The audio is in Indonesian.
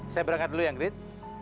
saya berangkat dulu ya grit